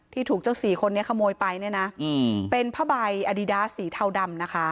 ที่ถูกเจ้าศรีคนนี้ขโมยไปเนี่ยนะอืมเป็นผ้าใบอดีตสีเทาดำนะคะ